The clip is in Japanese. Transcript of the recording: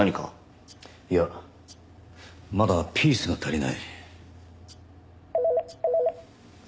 いやまだピースが足りない。